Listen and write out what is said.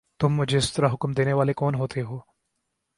تم مجھے اس طرح حکم دینے والے کون ہوتے ہو؟